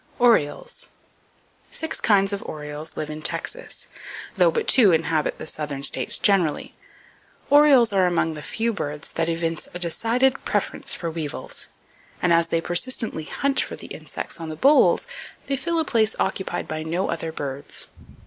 Orioles. —Six kinds of orioles live in Texas, though but two inhabit the southern states generally. Orioles are among the few birds that evince a decided preference for weevils, and as they persistently hunt for the insects on the bolls, they fill a place occupied by no other birds.